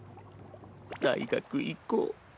大学行こう。